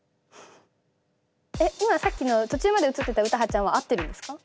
今さっきの途中まで映ってた詩羽ちゃんは合ってるんですか？